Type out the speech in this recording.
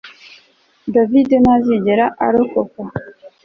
David ntazigera arokoka